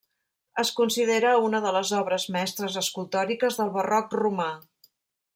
Es considera una de les obres mestres escultòriques del Barroc romà.